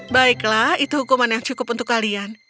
baiklah itu hukuman yang cukup untuk kalian